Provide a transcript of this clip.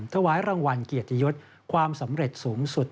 ถวายรางวัลเกียรติยศความสำเร็จสูงสุด